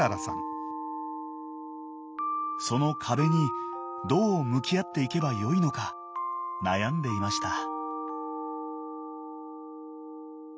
その壁にどう向き合っていけばよいのか悩んでいました。